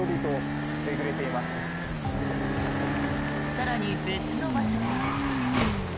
更に、別の場所でも。